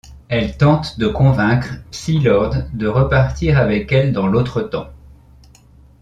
Elle tente de convaincre Psi-Lord de repartir avec elle dans l'Autre Temps.